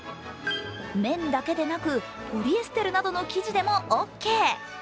綿だけでなく、ポリエステルの生地でもオーケー。